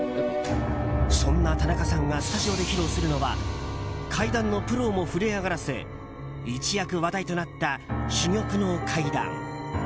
そんな田中さんがスタジオで披露するのは怪談のプロをも震え上がらせ一躍話題となった珠玉の怪談。